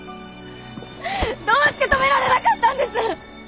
どうして止められなかったんです？